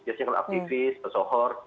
biasanya kalau aktivis pesohor